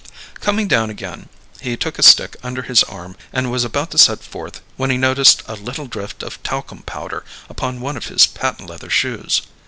Coming down again, he took a stick under his arm and was about to set forth when he noticed a little drift of talcum powder upon one of his patent leather shoes.